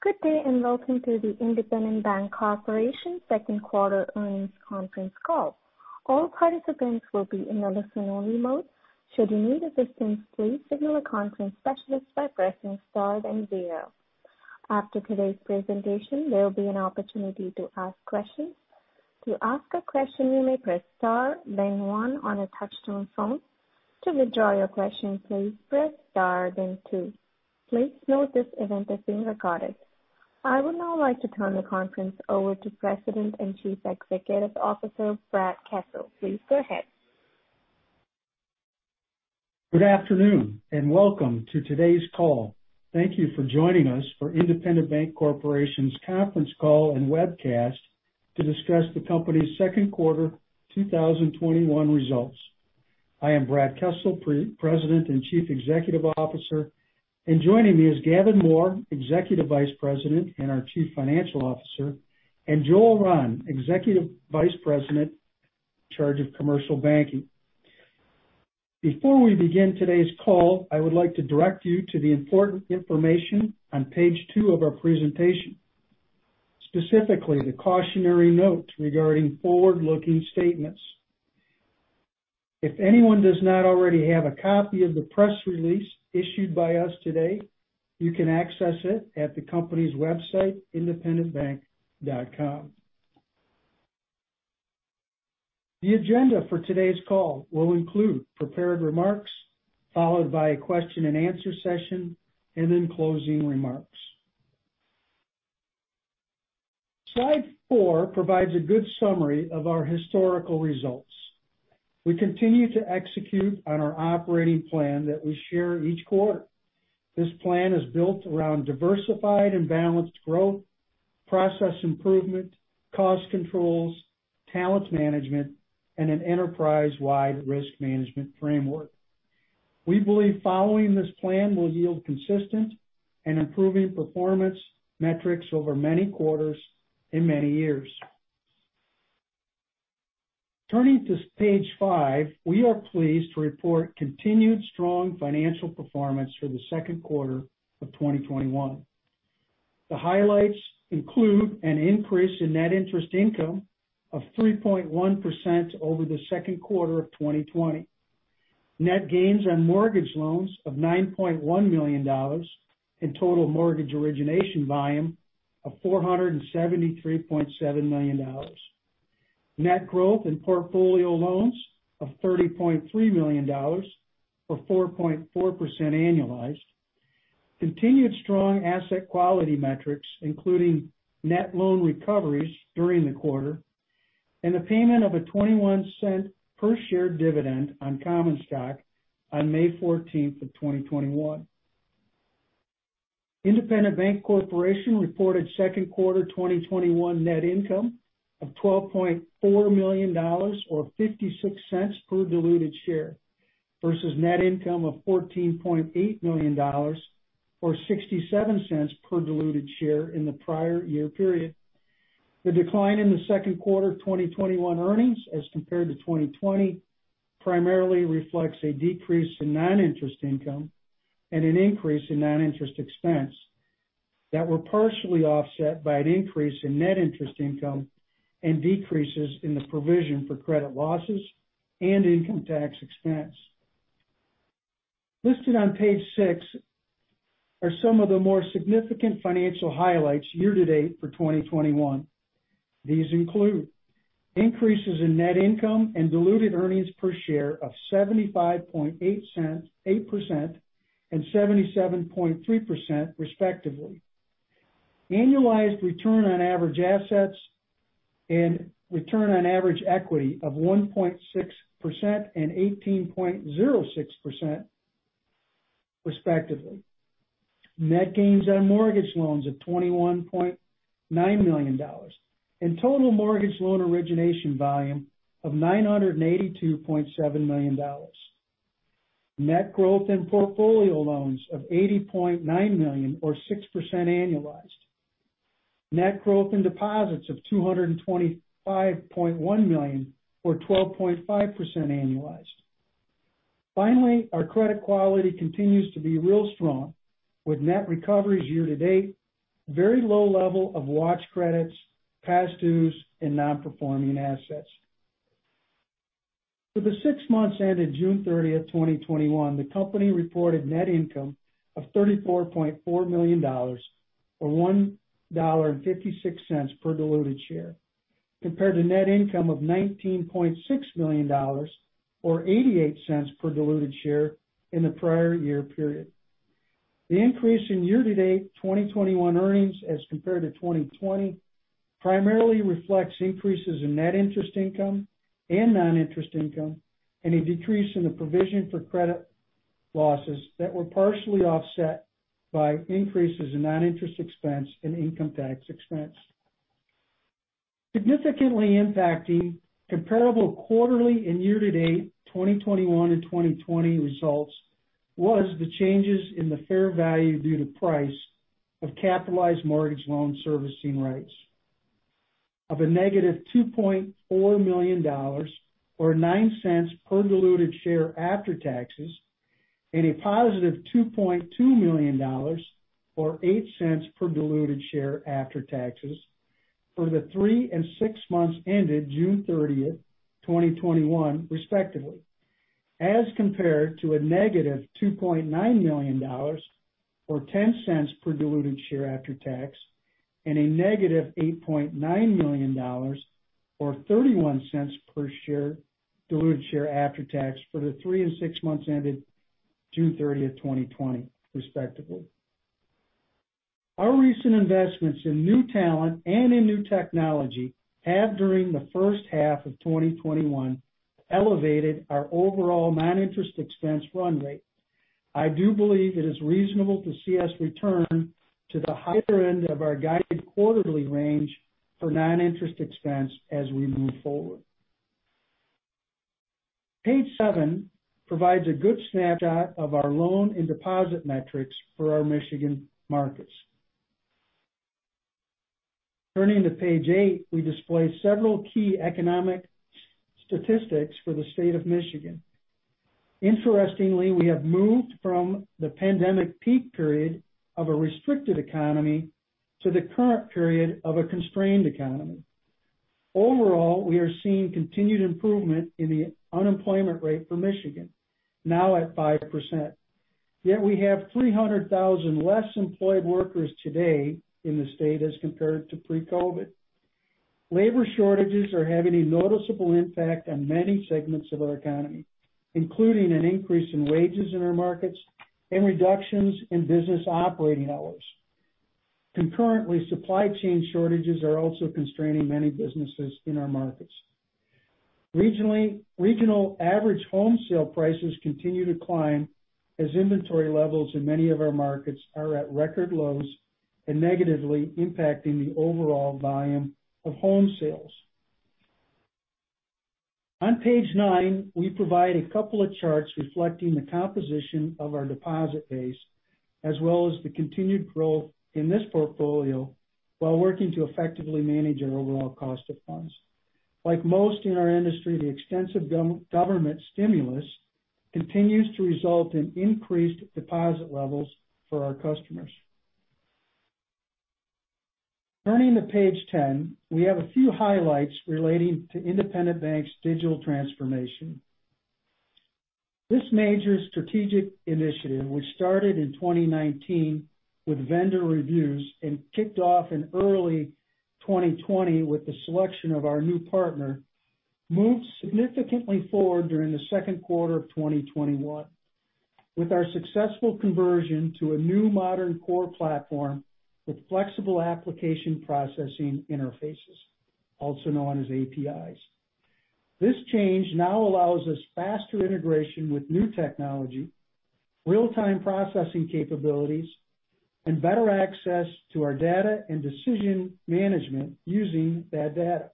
Good day, and welcome to the Independent Bank Corporation second quarter earnings conference call. I would now like to turn the conference over to President and Chief Executive Officer, Brad Kessel. Please go ahead. Good afternoon, and welcome to today's call. Thank you for joining us for Independent Bank Corporation's conference call and webcast to discuss the company's second quarter 2021 results. I am Brad Kessel, President and Chief Executive Officer, and joining me is Gavin Mohr, Executive Vice President and our Chief Financial Officer, and Joel Rahn, Executive Vice President in charge of commercial banking. Before we begin today's call, I would like to direct you to the important information on page two of our presentation, specifically the cautionary note regarding forward-looking statements. If anyone does not already have a copy of the press release issued by us today, you can access it at the company's website, independentbank.com. The agenda for today's call will include prepared remarks, followed by a question and answer session, and then closing remarks. Slide four provides a good summary of our historical results. We continue to execute on our operating plan that we share each quarter. This plan is built around diversified and balanced growth, process improvement, cost controls, talent management, and an enterprise-wide risk management framework. We believe following this plan will yield consistent and improving performance metrics over many quarters and many years. Turning to page five, we are pleased to report continued strong financial performance for the second quarter of 2021. The highlights include an increase in net interest income of 3.1% over the second quarter of 2020. Net gains on mortgage loans of $9.1 million and total mortgage origination volume of $473.7 million. Net growth in portfolio loans of $30.3 million or 4.4% annualized. Continued strong asset quality metrics, including net loan recoveries during the quarter, and the payment of a $0.21 per share dividend on common stock on May 14th of 2021. Independent Bank Corporation reported second quarter 2021 net income of $12.4 million or $0.56 per diluted share versus net income of $14.8 million or $0.67 per diluted share in the prior year period. The decline in the second quarter 2021 earnings as compared to 2020 primarily reflects a decrease in non-interest income and an increase in non-interest expense that were partially offset by an increase in net interest income and decreases in the provision for credit losses and income tax expense. Listed on page six are some of the more significant financial highlights year-to-date for 2021. These include increases in net income and diluted earnings per share of 75.8% and 77.3%, respectively. Annualized return on average assets and return on average equity of 1.6% and 18.06%, respectively. Net gains on mortgage loans of $21.9 million and total mortgage loan origination volume of $982.7 million. Net growth in portfolio loans of $80.9 million or 6% annualized. Net growth in deposits of $225.1 million or 12.5% annualized. Finally, our credit quality continues to be real strong with net recoveries year-to-date, very low level of watch credits, past dues, and non-performing assets. For the six months ended June 30th, 2021, the company reported net income of $34.4 million, or $1.56 per diluted share, compared to net income of $19.6 million or $0.88 per diluted share in the prior year period. The increase in year-to-date 2021 earnings as compared to 2020 primarily reflects increases in net interest income and non-interest income, and a decrease in the provision for credit losses that were partially offset by increases in non-interest expense and income tax expense. Significantly impacting comparable quarterly and year-to-date 2021 and 2020 results was the changes in the fair value due to price of capitalized mortgage loan servicing rights, of -$2.4 million, or $0.09 per diluted share after taxes, and a +$2.2 million, or $0.08 per diluted share after taxes, for the three and six months ended June 30, 2021, respectively, as compared to a -$2.9 million, or $0.10 per diluted share after tax, and a -$8.9 million, or $0.31 per diluted share after tax, for the three and six months ended June 30, 2020, respectively. Our recent investments in new talent and in new technology have, during the first half of 2021, elevated our overall non-interest expense run rate. I do believe it is reasonable to see us return to the higher end of our guided quarterly range for non-interest expense as we move forward. Page seven provides a good snapshot of our loan and deposit metrics for our Michigan markets. Turning to page eight, we display several key economic statistics for the state of Michigan. Interestingly, we have moved from the pandemic peak period of a restricted economy to the current period of a constrained economy. Overall, we are seeing continued improvement in the unemployment rate for Michigan, now at 5%. Yet we have 300,000 less employed workers today in the state as compared to pre-COVID. Labor shortages are having a noticeable impact on many segments of our economy, including an increase in wages in our markets and reductions in business operating hours. Concurrently, supply chain shortages are also constraining many businesses in our markets. Regional average home sale prices continue to climb as inventory levels in many of our markets are at record lows and negatively impacting the overall volume of home sales. On page nine, we provide a couple of charts reflecting the composition of our deposit base, as well as the continued growth in this portfolio while working to effectively manage our overall cost of funds. Like most in our industry, the extensive government stimulus continues to result in increased deposit levels for our customers. Turning to page 10, we have a few highlights relating to Independent Bank's digital transformation. This major strategic initiative, which started in 2019 with vendor reviews and kicked off in early 2020 with the selection of our new partner, moved significantly forward during the second quarter of 2021 with our successful conversion to a new modern core platform with flexible application processing interfaces, also known as APIs. This change now allows us faster integration with new technology, real-time processing capabilities, and better access to our data and decision management using that data.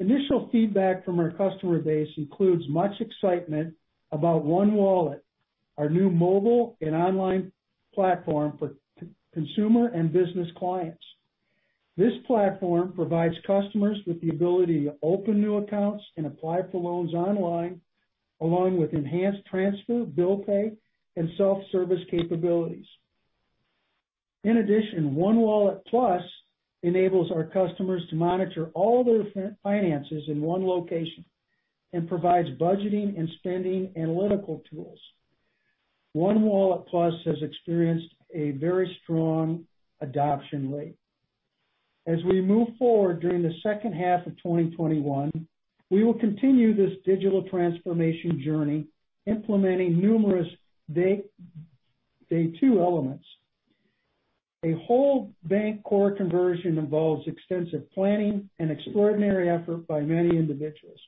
Initial feedback from our customer base includes much excitement about ONE Wallet, our new mobile and online platform for consumer and business clients. This platform provides customers with the ability to open new accounts and apply for loans online, along with enhanced transfer, bill pay, and self-service capabilities. In addition, ONE Wallet Plus enables our customers to monitor all their finances in one location and provides budgeting and spending analytical tools. ONE Wallet Plus has experienced a very strong adoption rate. As we move forward during the second half of 2021, we will continue this digital transformation journey, implementing numerous day two elements. A whole bank core conversion involves extensive planning and extraordinary effort by many individuals.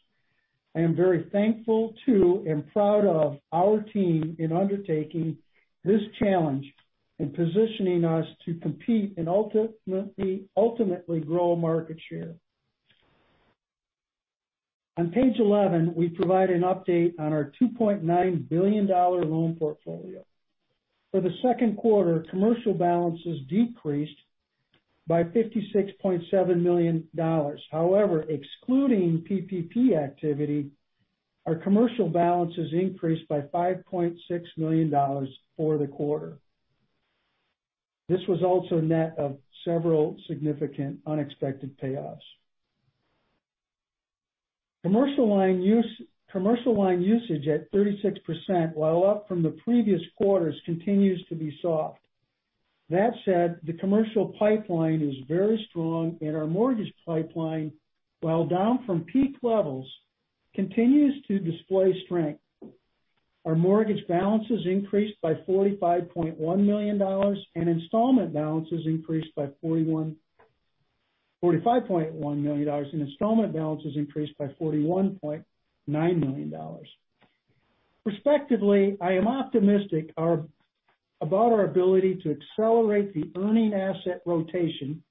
I am very thankful to, and proud of, our team in undertaking this challenge and positioning us to compete and ultimately grow market share. On page 11, we provide an update on our $2.9 billion loan portfolio. For the second quarter, commercial balances decreased by $56.7 million. However, excluding PPP activity, our commercial balances increased by $5.6 million for the quarter. This was also net of several significant unexpected payoffs. Commercial line usage at 36%, while up from the previous quarters, continues to be soft. That said, the commercial pipeline is very strong and our mortgage pipeline, while down from peak levels, continues to display strength. Our mortgage balances increased by $45.1 million and installment balances increased by $41.9 million. Respectively, I am optimistic about our ability to accelerate the earning asset rotation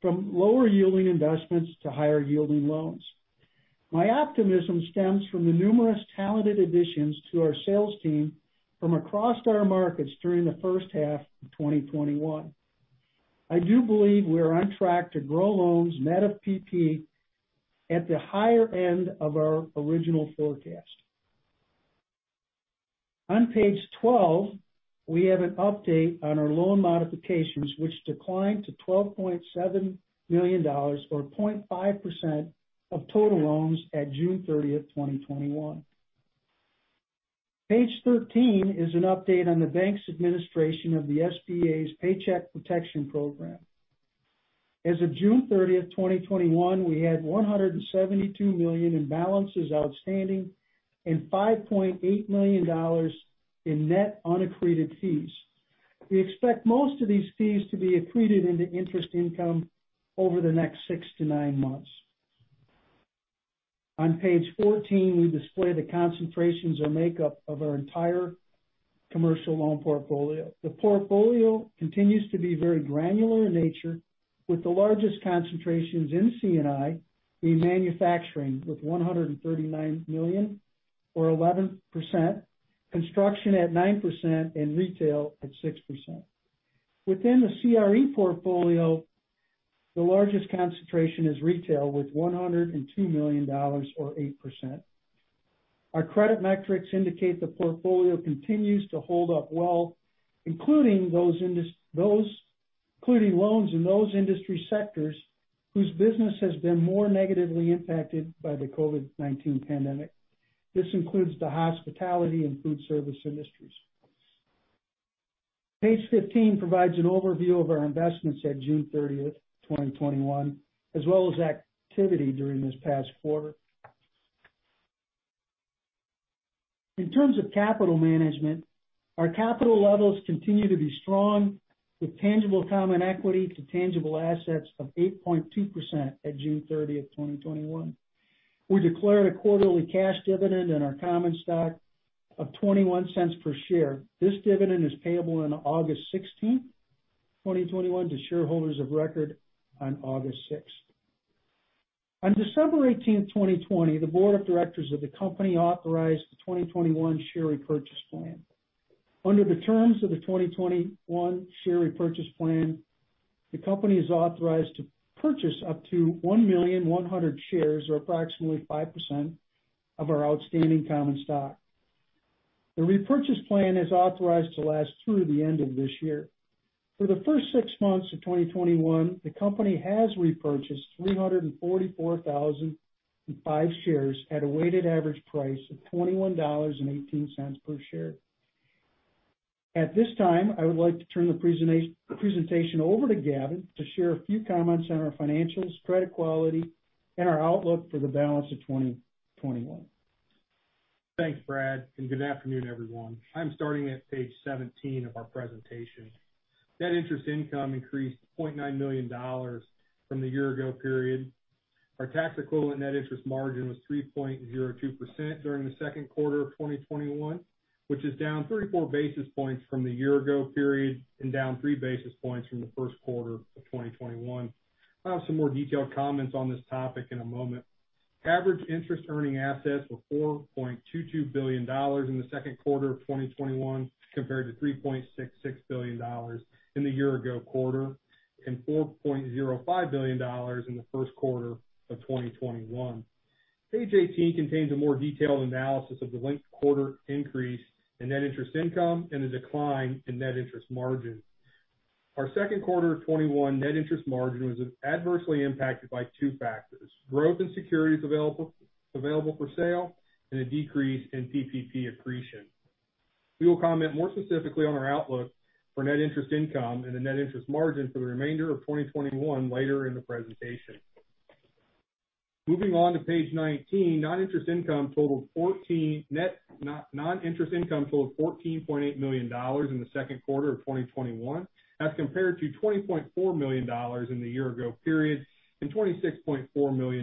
from lower yielding investments to higher yielding loans. My optimism stems from the numerous talented additions to our sales team from across our markets during the first half of 2021. I do believe we are on track to grow loans net of PPP at the higher end of our original forecast. On page 12, we have an update on our loan modifications, which declined to $12.7 million, or 0.5%, of total loans at June 30, 2021. Page 13 is an update on the bank's administration of the SBA's Paycheck Protection Program. As of June 30, 2021, we had $172 million in balances outstanding and $5.8 million in net unaccreted fees. We expect most of these fees to be accreted into interest income over the next six to nine months. On page 14, we display the concentrations or makeup of our entire commercial loan portfolio. The portfolio continues to be very granular in nature, with the largest concentrations in C&I being manufacturing with $139 million, or 11%, construction at 9%, and retail at 6%. Within the CRE portfolio, the largest concentration is retail with $102 million, or 8%. Our credit metrics indicate the portfolio continues to hold up well, including loans in those industry sectors whose business has been more negatively impacted by the COVID-19 pandemic. This includes the hospitality and food service industries. Page 15 provides an overview of our investments at June 30, 2021, as well as activity during this past quarter. In terms of capital management, our capital levels continue to be strong, with tangible common equity to tangible assets of 8.2% at June 30, 2021. We declared a quarterly cash dividend in our common stock of $0.21 per share. This dividend is payable on August 16th, 2021, to shareholders of record on August 6th. On December 18th, 2020, the board of directors of the company authorized the 2021 share repurchase plan. Under the terms of the 2021 share repurchase plan, the company is authorized to purchase up to 1,000,100 shares, or approximately 5%, of our outstanding common stock. The repurchase plan is authorized to last through the end of this year. For the first six months of 2021, the company has repurchased 344,005 shares at a weighted average price of $21.18 per share. At this time, I would like to turn the presentation over to Gavin to share a few comments on our financials, credit quality, and our outlook for the balance of 2021. Thanks, Brad. Good afternoon, everyone. I'm starting at page 17 of our presentation. Net interest income increased to $0.9 million from the year ago period. Our tax-equivalent net interest margin was 3.02% during the second quarter of 2021, which is down 34 basis points from the year ago period and down 3 basis points from the first quarter of 2021. I'll have some more detailed comments on this topic in a moment. Average interest earning assets were $4.22 billion in the second quarter of 2021, compared to $3.66 billion in the year ago quarter and $4.05 billion in the first quarter of 2021. Page 18 contains a more detailed analysis of the linked quarter increase in net interest income and a decline in net interest margin. Our second quarter of 2021 net interest margin was adversely impacted by two factors, growth in securities available for sale, and a decrease in PPP accretion. We will comment more specifically on our outlook for net interest income and the net interest margin for the remainder of 2021 later in the presentation. Moving on to page 19, non-interest income totaled $14.8 million in the second quarter of 2021 as compared to $20.4 million in the year ago period and $26.4 million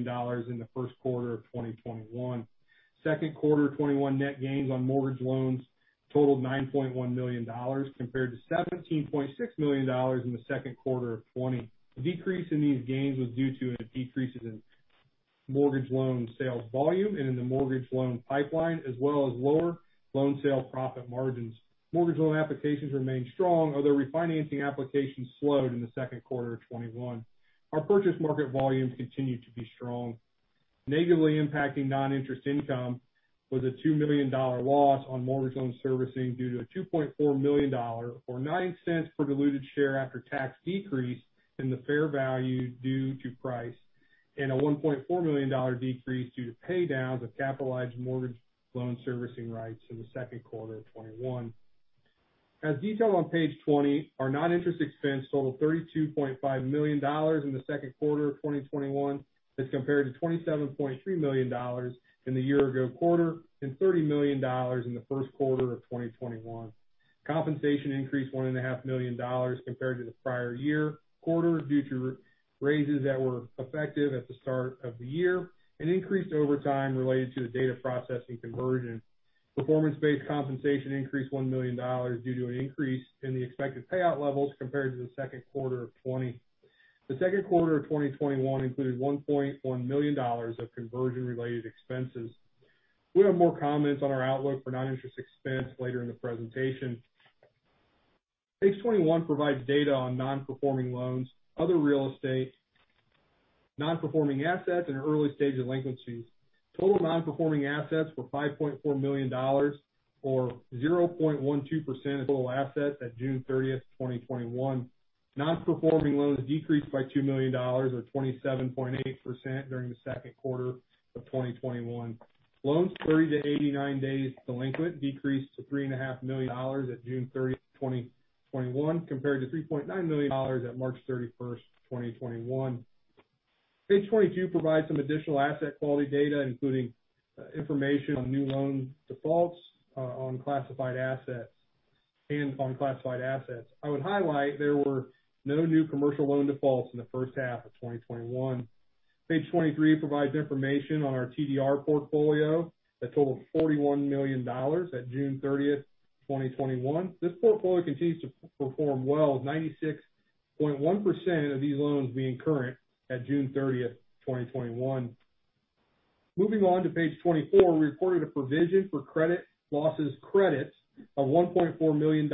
in the first quarter of 2021. Second quarter of 2021 net gains on mortgage loans totaled $9.1 million compared to $17.6 million in the second quarter of 2020. The decrease in these gains was due to a decrease in mortgage loan sales volume and in the mortgage loan pipeline, as well as lower loan sale profit margins. Mortgage loan applications remained strong, although refinancing applications slowed in the second quarter of 2021. Our purchase market volumes continued to be strong. Negatively impacting non-interest income was a $2 million loss on mortgage loan servicing due to a $2.4 million, or $0.09 per diluted share after tax decrease in the fair value due to price, and a $1.4 million decrease due to pay downs of capitalized mortgage loan servicing rights in the second quarter of 2021. As detailed on page 20, our non-interest expense totaled $32.5 million in the second quarter of 2021 as compared to $27.3 million in the year ago quarter and $30 million in the first quarter of 2021. Compensation increased $1.5 million compared to the prior year quarter due to raises that were effective at the start of the year and increased overtime related to the data processing conversion. Performance-based compensation increased $1 million due to an increase in the expected payout levels compared to the second quarter of 2020. The second quarter of 2021 included $1.1 million of conversion-related expenses. We have more comments on our outlook for non-interest expense later in the presentation. Page 21 provides data on non-performing loans, other real estate, non-performing assets, and early stage delinquencies. Total non-performing assets were $5.4 million, or 0.12% of total assets at June 30th, 2021. Non-performing loans decreased by $2 million, or 27.8%, during the second quarter of 2021. Loans 30 to 89 days delinquent decreased to $3.5 million at June 30th, 2021, compared to $3.9 million at March 31st, 2021. Page 22 provides some additional asset quality data, including information on new loan defaults on classified assets and on classified assets. I would highlight there were no new commercial loan defaults in the first half of 2021. Page 23 provides information on our TDR portfolio that totaled $41 million at June 30th, 2021. This portfolio continues to perform well, with 96.1% of these loans being current at June 30th, 2021. Moving on to page 24, we reported a provision for credit losses credit of $1.4 million in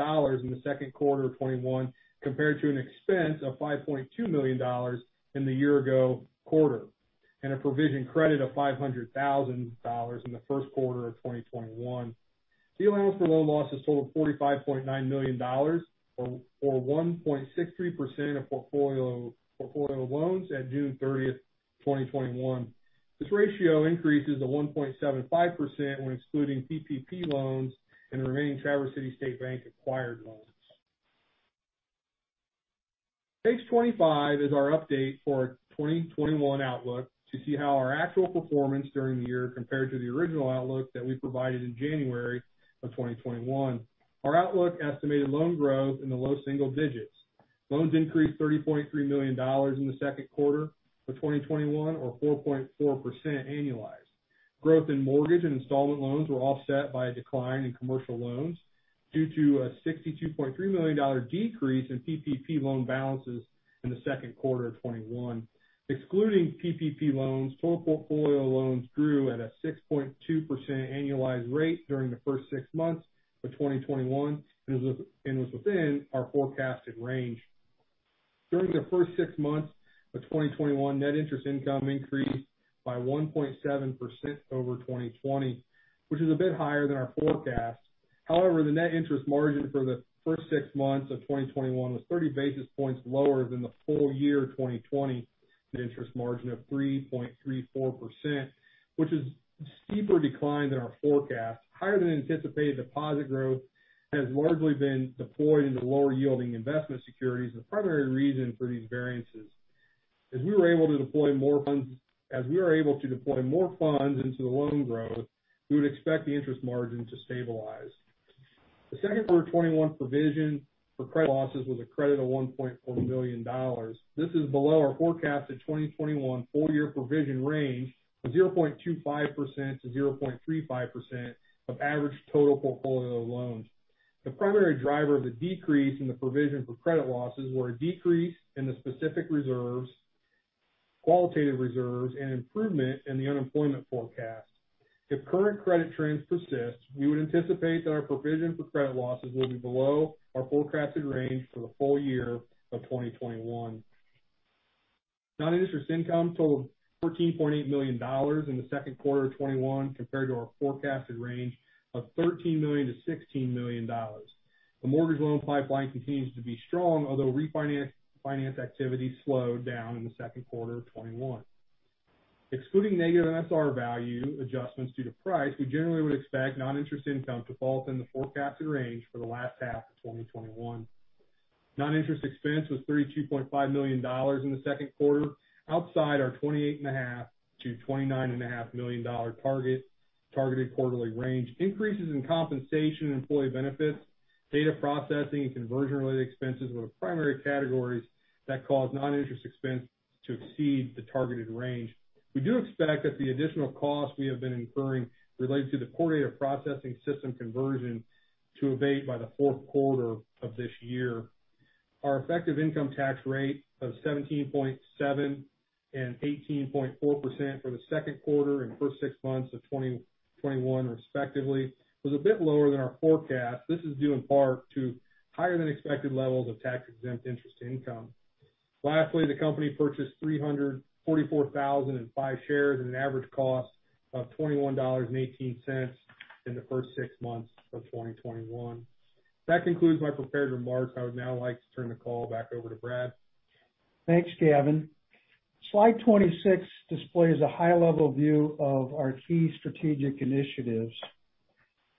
the second quarter of 2021, compared to an expense of $5.2 million in the year ago quarter, and a provision credit of $500,000 in the first quarter of 2021. The allowance for loan losses totaled $45.9 million, or 1.63% of portfolio loans at June 30th, 2021. This ratio increases to 1.75% when excluding PPP loans and the remaining Traverse City State Bank acquired loans. Page 25 is our update for our 2021 outlook to see how our actual performance during the year compared to the original outlook that we provided in January of 2021. Our outlook estimated loan growth in the low single digits. Loans increased $30.3 million in the second quarter of 2021, or 4.4% annualized. Growth in mortgage and installment loans were offset by a decline in commercial loans due to a $62.3 million decrease in PPP loan balances in the second quarter of 2021. Excluding PPP loans, total portfolio loans grew at a 6.2% annualized rate during the first six months of 2021, and was within our forecasted range. During the first six months of 2021, net interest income increased by 1.7% over 2020, which is a bit higher than our forecast. However, the net interest margin for the first six months of 2021 was 30 basis points lower than the full year 2020 net interest margin of 3.34%, which is a steeper decline than our forecast. Higher than anticipated deposit growth has largely been deployed into lower yielding investment securities, the primary reason for these variances. As we are able to deploy more funds into the loan growth, we would expect the interest margin to stabilize. The second quarter of 2021 provision for credit losses was a credit of $1.4 million. This is below our forecast of 2021 full year provision range of 0.25%-0.35% of average total portfolio loans. The primary driver of the decrease in the provision for credit losses was a decrease in the specific reserves, qualitative reserves, and improvement in the unemployment forecast. If current credit trends persist, we would anticipate that our provision for credit losses will be below our forecasted range for the full year of 2021. Non-interest income totaled $14.8 million in the second quarter of 2021 compared to our forecasted range of $13 million-$16 million. The mortgage loan pipeline continues to be strong, although refinance activity slowed down in the second quarter of 2021. Excluding negative MSR value adjustments due to price, we generally would expect non-interest income to fall within the forecasted range for the last half of 2021. Non-interest expense was $32.5 million in the second quarter, outside our $28.5 million-$29.5 million targeted quarterly range. Increases in compensation and employee benefits, data processing, and conversion related expenses were the primary categories that caused non-interest expense to exceed the targeted range. We do expect that the additional costs we have been incurring related to the core data processing system conversion to abate by the fourth quarter of this year. Our effective income tax rate of 17.7% and 18.4% for the second quarter and first six months of 2021 respectively, was a bit lower than our forecast. This is due in part to higher than expected levels of tax-exempt interest income. Lastly, the company purchased 344,005 shares at an average cost of $21.18 in the first six months of 2021. That concludes my prepared remarks. I would now like to turn the call back over to Brad. Thanks, Gavin. Slide 26 displays a high-level view of our key strategic initiatives.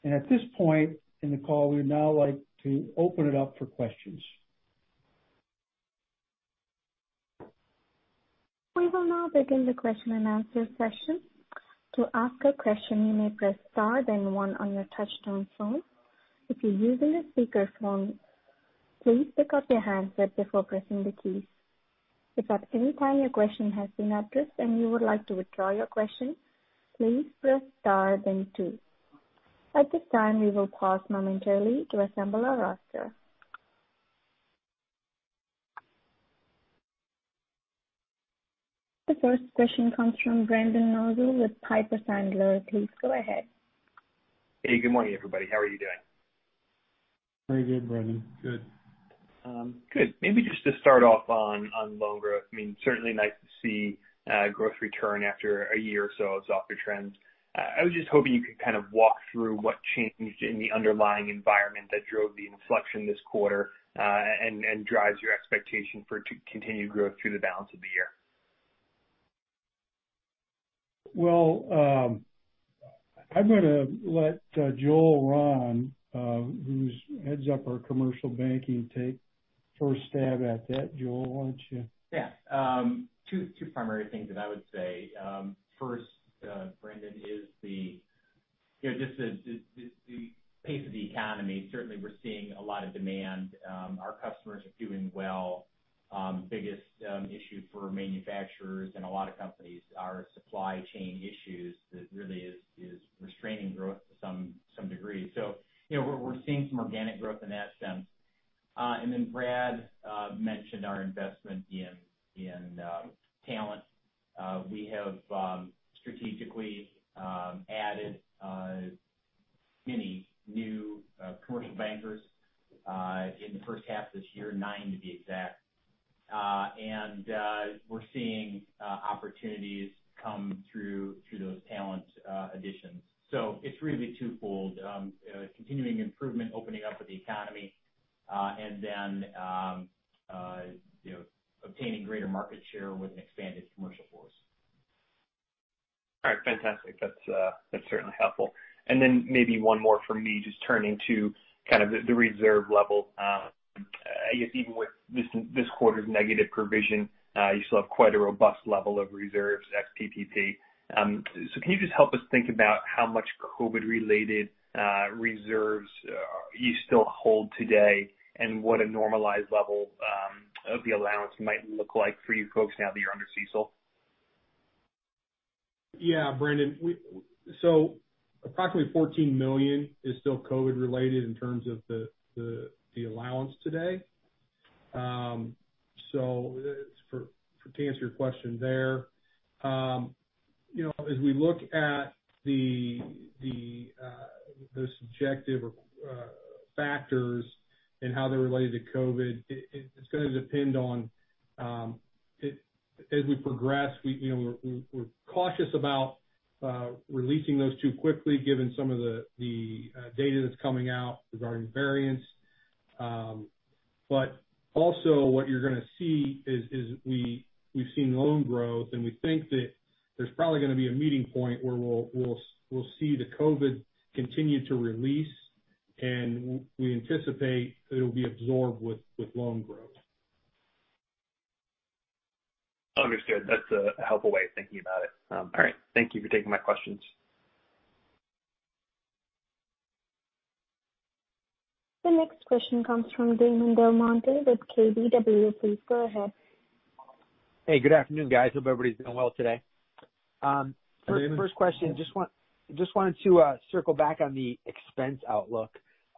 At this point in the call, we'd now like to open it up for questions. We will now begin the question and answer session. To ask a question, you may press star then one on your touchtone phone. If you're using a speakerphone, please pick up your handset before pressing the keys. If at any time your question has been addressed and you would like to withdraw your question, please press star then two. At this time, we will pause momentarily to assemble our roster. The first question comes from Brendan Nosal with Piper Sandler. Please go ahead. Hey, good morning, everybody. How are you doing? Very good, Brendan. Good. Good. Maybe just to start off on loan growth. Certainly nice to see growth return after a year or so of softer trends. I was just hoping you could kind of walk through what changed in the underlying environment that drove the inflection this quarter, and drives your expectation for continued growth through the balance of the year. Well, I'm going to let Joel Rahn, who heads up our commercial banking, take first stab at that. Joel, why don't you? Yeah. Two primary things that I would say. First, Brendan, is just the pace of the economy. Certainly, we're seeing a lot of demand. Our customers are doing well. Biggest issue for manufacturers and a lot of companies are supply chain issues that really is restraining growth to some degree. We're seeing some organic growth in that sense. Brad mentioned our investment in talent. We have strategically added many new commercial bankers in the first half of this year, nine to be exact. We're seeing opportunities come through those talent additions. It's really twofold. Continuing improvement, opening up of the economy, and then obtaining greater market share with an expanded commercial force. All right. Fantastic. That's certainly helpful. Then maybe one more from me, just turning to kind of the reserve level. I guess even with this quarter's negative provision, you still have quite a robust level of reserves ex PPP. Can you just help us think about how much COVID-19-related reserves you still hold today, and what a normalized level of the allowance might look like for you folks now that you're under CECL? Yeah, Brendan. Approximately $14 million is still COVID-related in terms of the allowance today. To answer your question there. As we look at the subjective factors and how they're related to COVID, it's going to depend on as we progress, we're cautious about releasing those too quickly given some of the data that's coming out regarding variants. Also what you're going to see is we've seen loan growth and we think that there's probably going to be a meeting point where we'll see the COVID continue to release, and we anticipate that it'll be absorbed with loan growth. Understood. That's a helpful way of thinking about it. All right. Thank you for taking my questions. The next question comes from Damon DelMonte with KBW. Please go ahead. Hey, good afternoon, guys. Hope everybody's doing well today. Good afternoon. First question, just wanted to circle back on the expense outlook.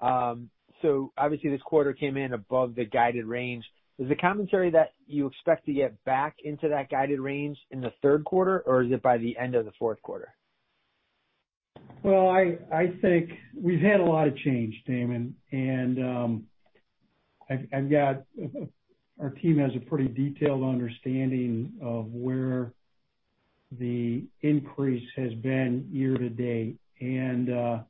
Obviously, this quarter came in above the guided range. Was the commentary that you expect to get back into that guided range in the third quarter, or is it by the end of the fourth quarter? I think we've had a lot of change, Damon, and our team has a pretty detailed understanding of where the increase has been year to date. High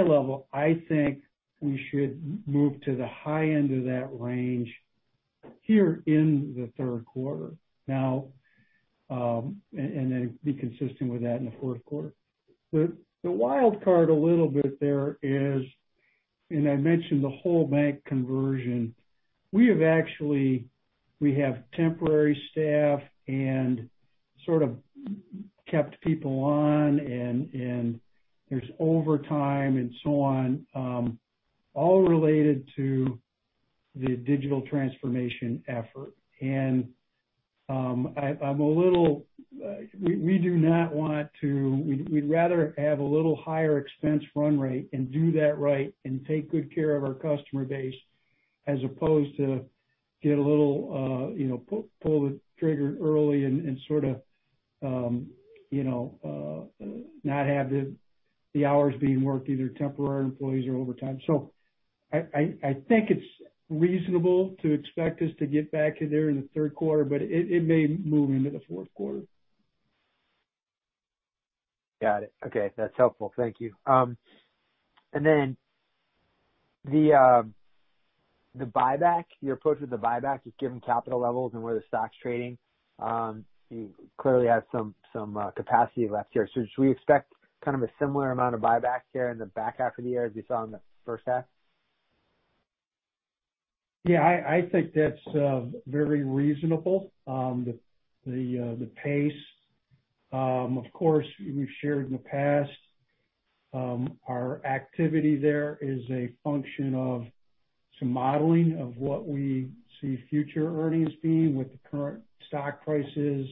level, I think we should move to the high end of that range here in the third quarter. Be consistent with that in the fourth quarter. The wild card a little bit there is, and I mentioned the whole bank conversion. We have temporary staff and sort of kept people on and there's overtime and so on, all related to the digital transformation effort. We'd rather have a little higher expense run rate and do that right and take good care of our customer base as opposed to pull the trigger early and sort of not have the hours being worked, either temporary employees or overtime. I think it's reasonable to expect us to get back to there in the third quarter, but it may move into the fourth quarter. Got it. Okay, that's helpful. Thank you. Then the buyback, your approach with the buyback, just given capital levels and where the stock's trading, you clearly have some capacity left here. Should we expect kind of a similar amount of buyback here in the back half of the year as we saw in the first half? Yeah, I think that's very reasonable. The pace, of course, we've shared in the past. Our activity there is a function of some modeling of what we see future earnings being with the current stock prices,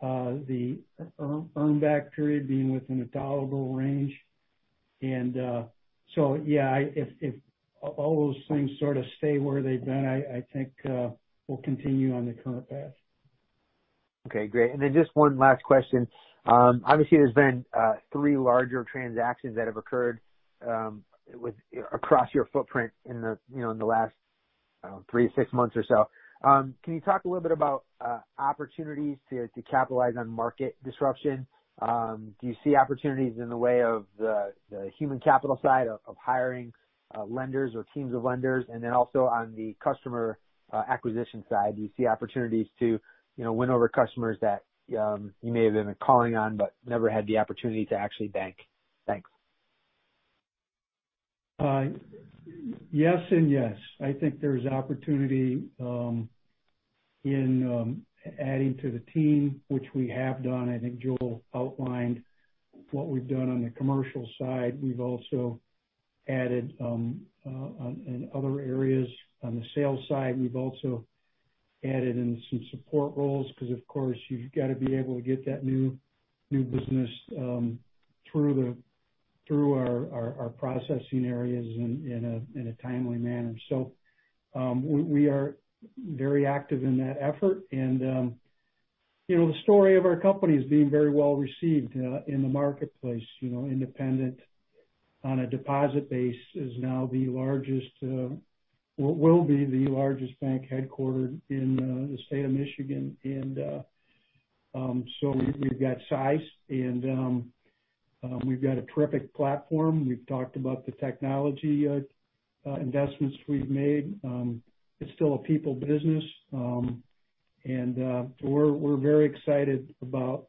the earn back period being within a tolerable range. Yeah, if all those things sort of stay where they've been, I think we'll continue on the current path. Okay, great. Just one last question. Obviously, there's been three larger transactions that have occurred across your footprint in the last three to six months or so. Can you talk a little bit about opportunities to capitalize on market disruption? Do you see opportunities in the way of the human capital side of hiring lenders or teams of lenders? Also on the customer acquisition side, do you see opportunities to win over customers that you may have been calling on but never had the opportunity to actually bank? Thanks. Yes and yes. I think there's opportunity in adding to the team, which we have done. I think Joel outlined what we've done on the commercial side. We've also added in other areas. On the sales side, we've also added in some support roles because, of course, you've got to be able to get that new business through our processing areas in a timely manner. We are very active in that effort. The story of our company is being very well received in the marketplace. Independent, on a deposit base, is now, well, will be the largest bank headquartered in the state of Michigan. We've got size and we've got a terrific platform. We've talked about the technology investments we've made. It's still a people business. We're very excited about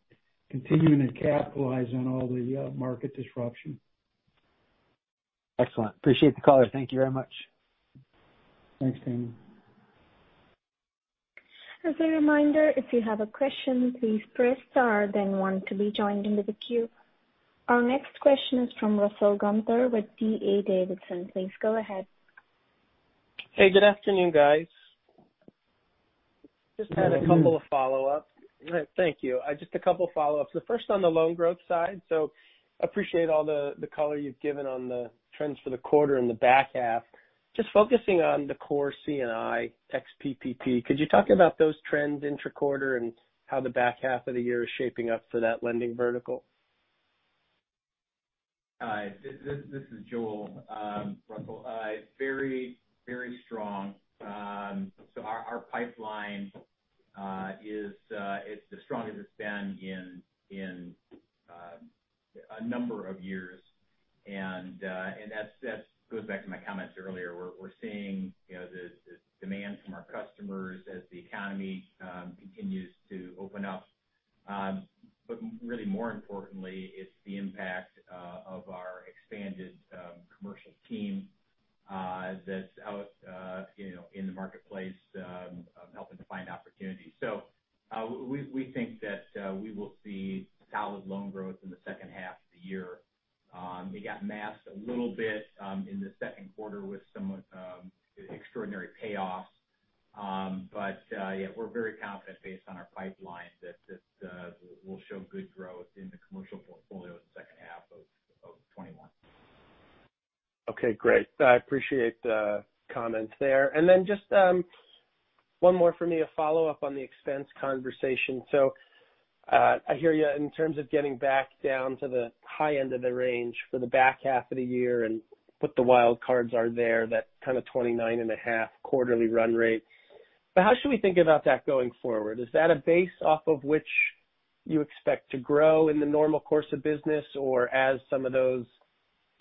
continuing to capitalize on all the market disruption. Excellent. Appreciate the color. Thank you very much. Thanks, Damon. As a reminder, if you have a question, please press star then one to be joined into the queue. Our next question is from Russell Gunther with D.A. Davidson. Please go ahead. Hey, good afternoon, guys. Just had a couple of follow-ups. Thank you. Just a couple follow-ups. The first on the loan growth side. Appreciate all the color you've given on the trends for the quarter and the back half. Just focusing on the core C&I ex-PPP, could you talk about those trends intra-quarter and how the back half of the year is shaping up for that lending vertical? This is Joel Rahn.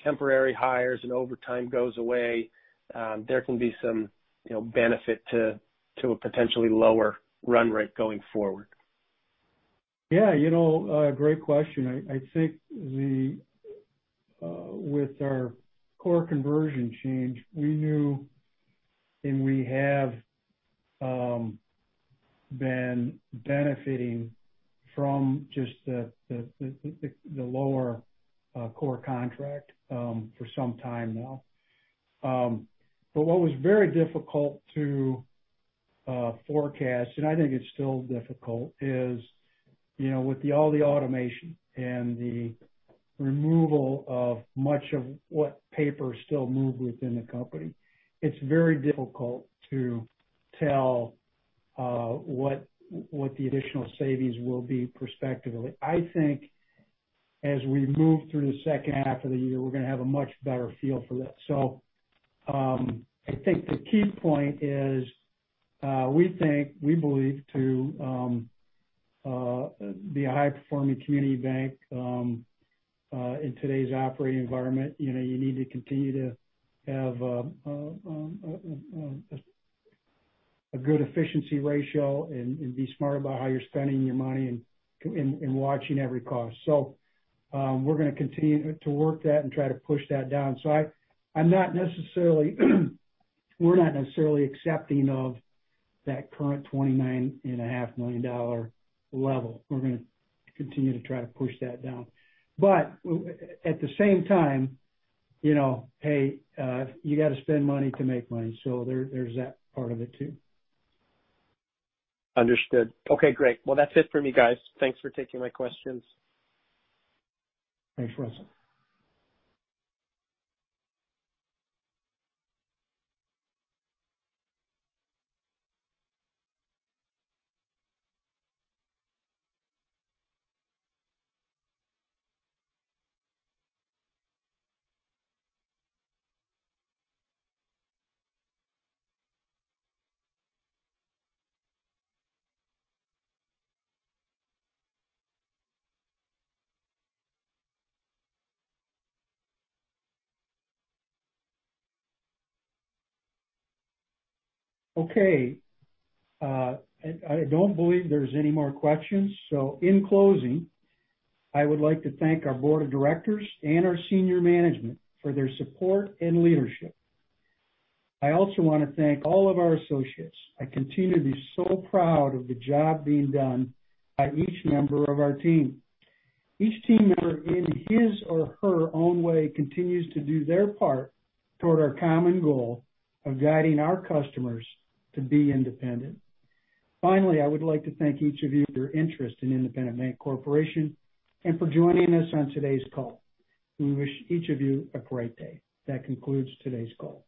temporary hires and overtime goes away, there can be some benefit to a potentially lower run rate going forward? Great question. I think with our core conversion change, we knew and we have been benefiting from just the lower core contract for some time now. What was very difficult to forecast, and I think it's still difficult, is with all the automation and the removal of much of what paper still moved within the company, it's very difficult to tell what the additional savings will be prospectively. I think as we move through the second half of the year, we're going to have a much better feel for that. I think the key point is, we believe to be a high-performing community bank in today's operating environment, you need to continue to have a good efficiency ratio and be smart about how you're spending your money and watching every cost. We're going to continue to work that and try to push that down. We're not necessarily accepting of that current $29.5 million level. We're going to continue to try to push that down. At the same time, hey, you got to spend money to make money. There's that part of it too. Understood. Okay, great. Well, that's it for me, guys. Thanks for taking my questions. Thanks, Russell. Okay. I don't believe there's any more questions. In closing, I would like to thank our board of directors and our senior management for their support and leadership. I also want to thank all of our associates. I continue to be so proud of the job being done by each member of our team. Each team member in his or her own way continues to do their part toward our common goal of guiding our customers to be independent. Finally, I would like to thank each of you for your interest in Independent Bank Corporation and for joining us on today's call. We wish each of you a great day. That concludes today's call.